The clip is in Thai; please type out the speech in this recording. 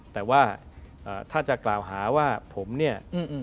แต่ว่าถ้าจะกล่าวหาว่าผมเนี่ย